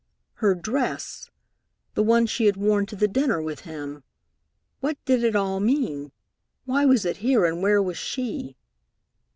Her dress! The one she had worn to the dinner with him! What did it all mean? Why was it here, and where was she?